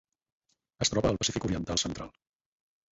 Es troba al Pacífic oriental central: